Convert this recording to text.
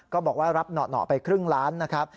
ก็บอกว่ารับหน่อไปครึ่งล้านนะครับ